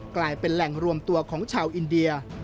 กลายเป็นแหล่งรวมตัวของชาวอินเดีย